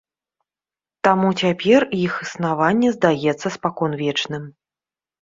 Таму цяпер іх існаванне здаецца спаконвечным.